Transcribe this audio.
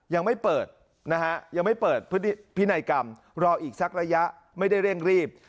ยังไม่เปิดนะฮะยังไม่เปิดพินัยกรรมรออีกสักระยะไม่ได้เร่งรีบ